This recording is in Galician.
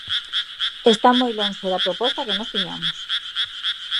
Está moi lonxe da proposta que nós tiñamos.